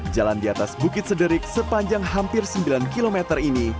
jalan di atas bukit sederik sepanjang hampir sembilan km ini